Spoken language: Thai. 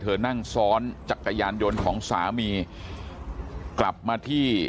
นั่งซ้อนจักรยานยนต์ของสามีกลับมาที่